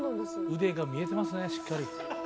腕が見えてますねしっかり。